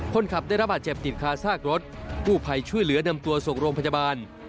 คนขับได้รับบาดเจ็บติดคาซากรถกู้ภัยช่วยเหลือนำตัวส่งโรงพยาบาล